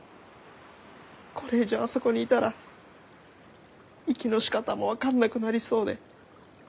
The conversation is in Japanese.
これ以上あそこにいたら息のしかたも分かんなくなりそうで。